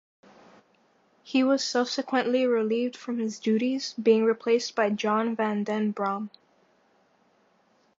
He was subsequently relieved from his duties, being replaced by John van den Brom.